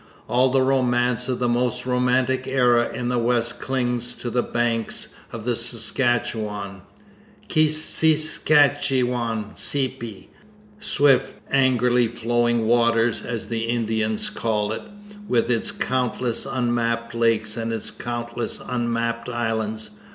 All the romance of the most romantic era in the West clings to the banks of the Saskatchewan 'Kis sis kat chewan Sepie' swift angrily flowing waters, as the Indians call it, with its countless unmapped lakes and its countless unmapped islands.